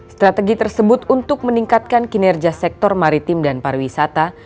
strategi tersebut untuk meningkatkan kinerja sektor maritim dan pariwisata